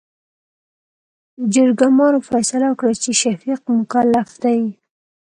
جرګمارو فيصله وکړه چې، شفيق مکلف دى.